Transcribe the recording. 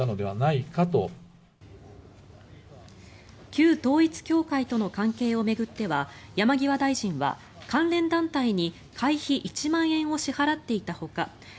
旧統一教会との関係を巡っては山際大臣は関連団体に会費１万円を支払っていたほか